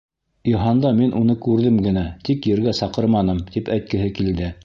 «Йыһанда мин уны күрҙем генә, тик ергә саҡырманым» тип әйткеһе килде.